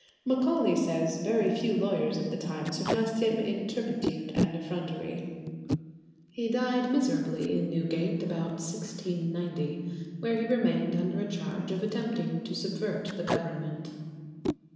Macaulay says very few lawyers of the time surpassed him in turpitude and effrontery. He died miserably in Newgate about 1690, where he remained under a charge of attempting to subvert the Government.